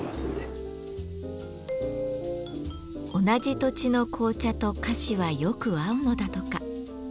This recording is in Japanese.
同じ土地の紅茶と菓子はよく合うのだとか。